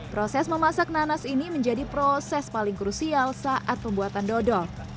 proses memasak nanas ini menjadi proses paling krusial saat pembuatan dodol